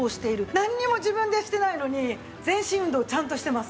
なんにも自分でしてないのに全身運動をちゃんとしてます。